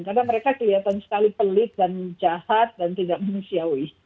karena mereka kelihatan sekali pelik dan jahat dan tidak manusiawi